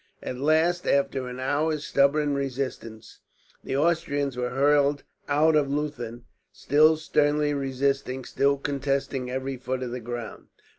At last, after an hour's stubborn resistance, the Austrians were hurled out of Leuthen, still sternly resisting, still contesting every foot of the ground.